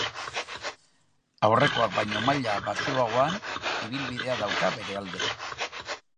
Aurrekoak baino maila baxuagoan, ibilbidea dauka bere alde.